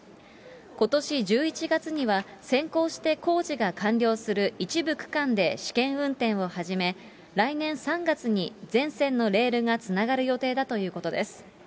ことし１１月には、先行して工事が完了する一部区間で試験運転を始め、来年３月に全線のレールがつながる予定だということです。